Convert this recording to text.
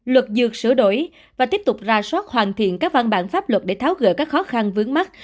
luật dược sửa đổi và tiếp tục ra soát hoàn thiện các văn bản pháp luật để tháo gỡ các khó khăn vướng mắt